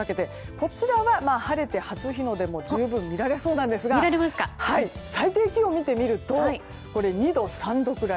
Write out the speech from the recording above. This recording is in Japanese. こちらは晴れて初の日の出も十分、見られそうなんですが最低気温を見てみると２度、３度くらい。